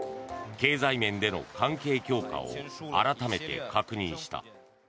経済面での関係強化を改めて確認した。